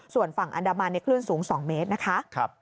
ส่วนฝั่งอันดับมานคลื่นสูง๒เมตร